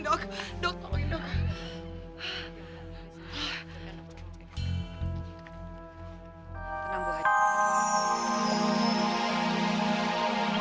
ya allah tolongin dokter kemana sih